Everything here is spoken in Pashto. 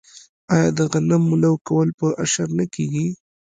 آیا د غنمو لو کول په اشر نه کیږي؟